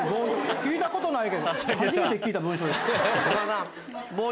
聞いたことない。